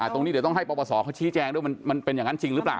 ตรงนี้เดี๋ยวต้องให้ปปศเขาชี้แจงด้วยมันเป็นอย่างนั้นจริงหรือเปล่า